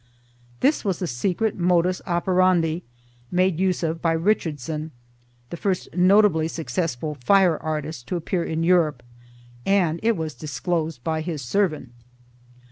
This was the secret modus operandi made use of by Richardson, the first notably successful fire artist to appear in Europe, and it was disclosed by his servant.